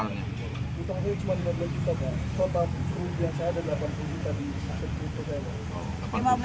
utangnya cuma lima belas juta